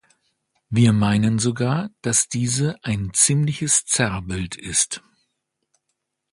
Wir meinen sogar, dass diese ein ziemliches Zerrbild ist.